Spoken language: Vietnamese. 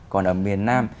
còn ở miền nam